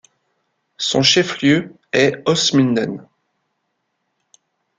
Son chef-lieu est Holzminden.